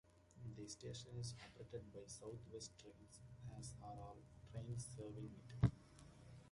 The station is operated by South West Trains, as are all trains serving it.